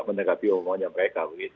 menerapi omongannya mereka